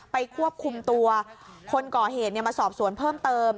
ควบคุมตัวคนก่อเหตุมาสอบสวนเพิ่มเติม